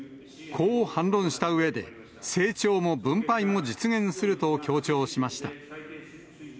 こう反論したうえで、成長も分配も実現すると強調しました。